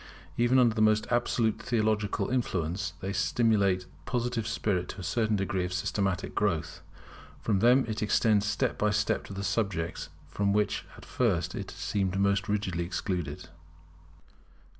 Even under the most absolute theological influence they stimulate the Positive spirit to a certain degree of systematic growth. From them it extends step by step to the subjects from which at first it had been most rigidly excluded.